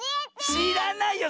しらないよ